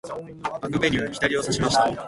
アグベニュー、左をさしました。